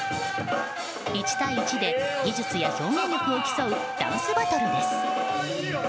１対１で技術や表現力を競うダンスバトルです。